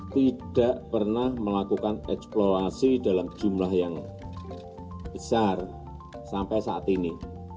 tidak pernah melakukan eksplorasi dalam jumlah yang besar sampai saat ini